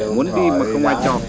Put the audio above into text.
muốn đi mà không ai cho